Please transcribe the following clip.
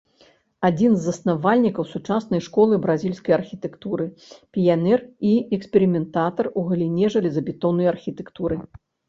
Адзін з заснавальнікаў сучаснай школы бразільскай архітэктуры, піянер і эксперыментатар у галіне жалезабетоннай архітэктуры.